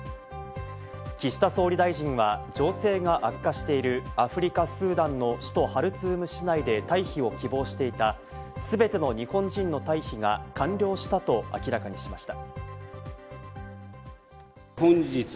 岸田総理大臣は情勢が悪化しているアフリカ・スーダンの首都ハルツーム市内で退避を希望していた全ての日本人の退避が完了したと明らかにしました。